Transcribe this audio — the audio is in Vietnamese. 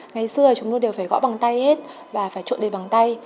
ngày xưa chúng tôi đều phải gõ bằng tay hết và phải trộn đầy bằng tay